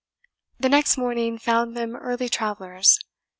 The next morning found them early travellers.